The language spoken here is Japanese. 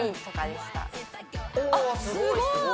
すごーい